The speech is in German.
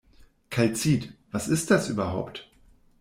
Kalzit, was ist das überhaupt?